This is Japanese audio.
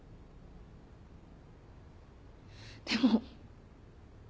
でも。